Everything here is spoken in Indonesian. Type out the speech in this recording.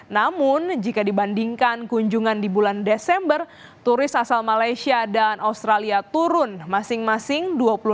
namun jika dibandingkan kunjungan di bulan desember turis asal malaysia dan australia turun masing masing